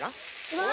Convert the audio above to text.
うわ。